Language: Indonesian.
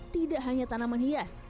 tidak hanya tanaman hias